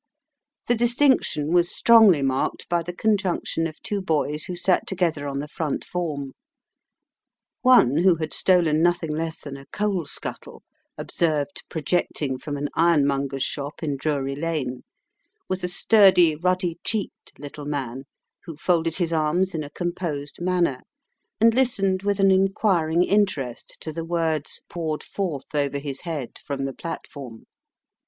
The distinction was strongly marked by the conjunction of two boys who sat together on the front form. One who had stolen nothing less than a coalscuttle, observed projecting from an ironmonger's shop in Drury Lane, was a sturdy, ruddy cheeked little man, who folded his arms in a composed manner, and listened with an inquiring interest to the words poured forth over his head from the platform.